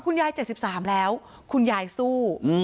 คุณยายเจ็ดสิบสามแล้วคุณยายสู้อืม